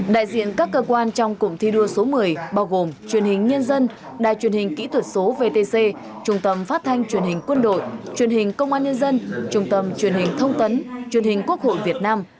đại diện các cơ quan trong cụm thi đua số một mươi bao gồm truyền hình nhân dân đài truyền hình kỹ thuật số vtc trung tâm phát thanh truyền hình quân đội truyền hình công an nhân dân trung tâm truyền hình thông tấn truyền hình quốc hội việt nam